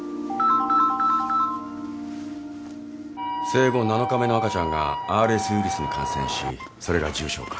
生後７日目の赤ちゃんがＲＳウィルスに感染しそれが重症化。